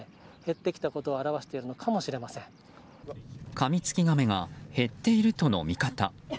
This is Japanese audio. カミツキガメが減っているとの見方。